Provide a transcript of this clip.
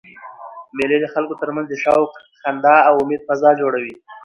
مېلې د خلکو ترمنځ د شوق، خندا او امېد فضا جوړوي.